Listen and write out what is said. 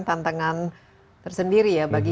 tantangan tersendiri ya bagi